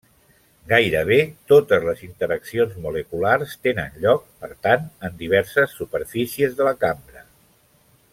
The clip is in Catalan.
Gairebé totes les interaccions moleculars tenen lloc, per tant, en diverses superfícies de la cambra.